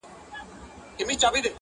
هغې ويل اور.